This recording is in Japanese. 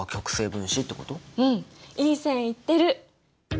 うんいい線いってる！